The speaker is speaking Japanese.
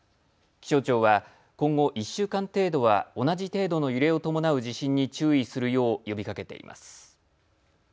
気象庁は、今後１週間程度は同じ程度の揺れを伴う地震に注意するよう呼びかけています。